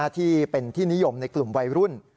ที่เป็นที่นิยมในกลุ่มวัยรุ่น